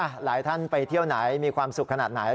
หลายท่านไปเที่ยวไหนมีความสุขขนาดไหน